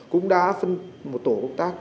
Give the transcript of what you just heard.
cũng đã phân một tổ công tác